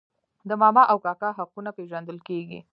د ماما او کاکا حقونه پیژندل کیږي.